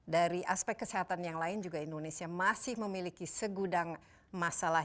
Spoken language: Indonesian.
dari aspek kesehatan yang lain juga indonesia masih memiliki segudang masalah